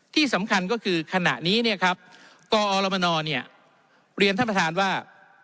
ที่สำคัญก็คือขณะนี้เนี่ยครับกอรมนเนี่ยเรียนท่านประธานว่า